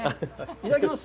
いただきます。